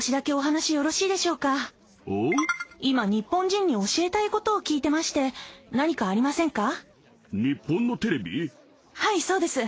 今日本人に教えたいことを聞いてまして何かありませんか？